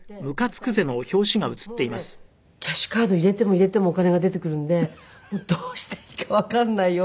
もうねキャッシュカード入れても入れてもお金が出てくるんでどうしていいかわかんないような。